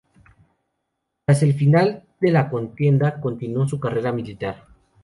Tras el final de la contienda continuó su carrera militar.